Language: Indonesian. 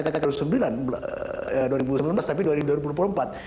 dua ribu sembilan belas tapi tahun dua ribu empat belas